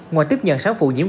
ngoài tiếp nhận sáng phủ nhiễm